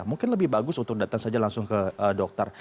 mungkin lebih bagus untuk datang saja langsung ke dokter